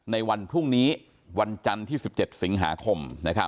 ในวันพรุ่งนี้วันจันทร์ที่๑๗สิงหาคม